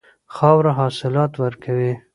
خاوره حاصلات ورکوي.